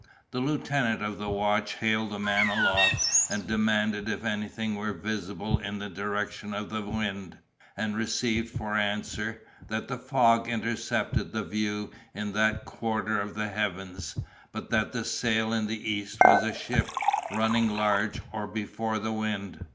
The lieutenant of the watch hailed the man aloft, and demanded if anything were visible in the direction of the wind, and received for answer, that the fog intercepted the view in that quarter of the heavens, but that the sail in the east was a ship, running large, or before the wind.